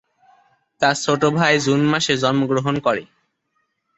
তার ছোট ভাই জুন মাসে জন্মগ্রহণ করে।